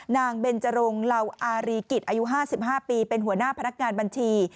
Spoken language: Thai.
เบนจรงเหล่าอารีกิจอายุ๕๕ปีเป็นหัวหน้าพนักงานบัญชี